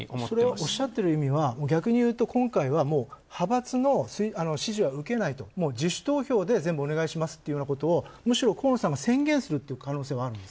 おっしゃってる意味は、逆に言うと今回は派閥の支持は受けないと、自主投票で全部お願いしますっていうことを河野さんが宣言する可能性もある？